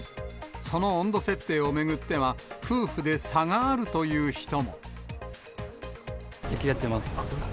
その温度設定を巡っては、野球やってます。